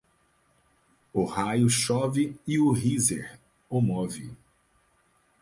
O raio chove e o riser o move.